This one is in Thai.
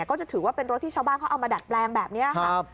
ก็จะถือว่าเป็นรถที่ชาวบ้านเขาเอามาดัดแปลงแบบนี้ค่ะ